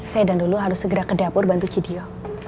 saya dan dulu harus segera ke dapur bantu cidio